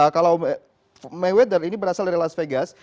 kalau mayweather ini berasal dari las vegas